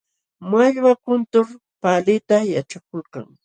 Mallwa kuntur paalita yaćhakuykan.